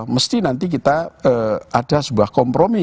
mesti nanti kita ada sebuah kompromi